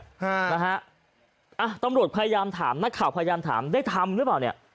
ฮะนะฮะอ่ะตำรวจพยายามถามนักข่าวพยายามถามได้ทำหรือเปล่าเนี่ย